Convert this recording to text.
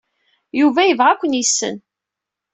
Yuba yebɣa ad ken-yessen.